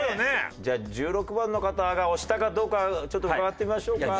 じゃあ１６番の方が押したかどうかちょっと伺ってみましょうか。